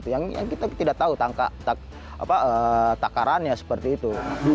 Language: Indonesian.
yang kita tidak tahu takarannya seperti itu